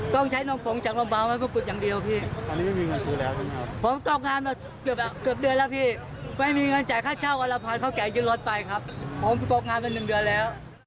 ต้องใช้ความพิการนกภงจากลำบ้ามาพบกฎอย่างเดียวพี่